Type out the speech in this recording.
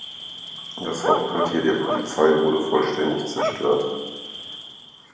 Das Hauptquartier der Polizei wurde vollständig zerstört.